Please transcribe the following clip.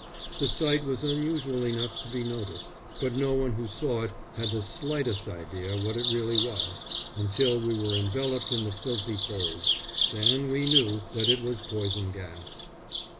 The sight was unusual enough to be noticed, but no one who saw it had the slightest idea what it really was, until we were enveloped in the filthy folds; then we knew that it was poison gas.